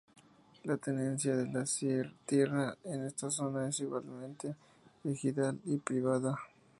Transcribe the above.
La tenencia de la tierra en esta zona es igualmente ejidal y privada.